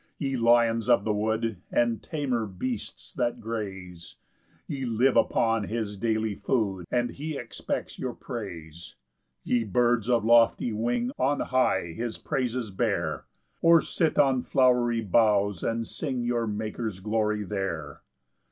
9 Ye lions of the wood, And tamer beasts that graze, Ye live upon his daily food, And he expects your praise. 10 Ye birds of lofty wing, On high his praises bear; Or sit on flowery boughs, and sing Your Maker's glory there.